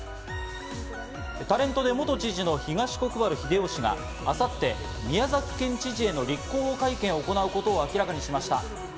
タレントで元知事の東国原英夫氏が明後日、宮崎県知事への立候補会見を行うことを明らかにしました。